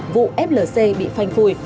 vụ flc bị phanh phùi